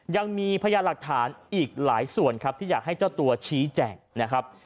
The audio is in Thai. ยังมีพยานหลักฐานอีกหลายส่วนครับที่อยากให้เจ้าตัวชี้แจ่งนะครับ